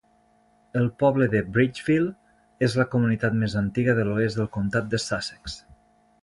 El poble de Bridgeville és la comunitat més antiga de l'oest del comtat de Sussex.